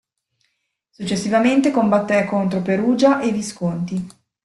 Successivamente combatté contro Perugia e i Visconti.